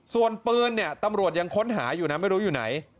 ส่วนปืนเนี่ยตำรวจยังค้นหาอยู่นะไม่รู้อยู่ไหน